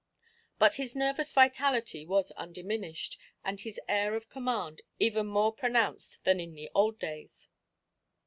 But his nervous vitality was undiminished, and his air of command even more pronounced than in the old days.